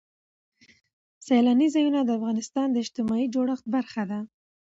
سیلانی ځایونه د افغانستان د اجتماعي جوړښت برخه ده.